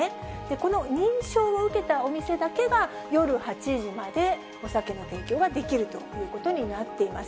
この認証を受けたお店だけが、夜８時までお酒の提供ができるということになっています。